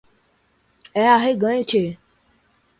É arreganho, tchê